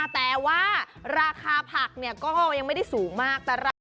แต่ว่าราคาผักก็ยังไม่ได้สูงมาก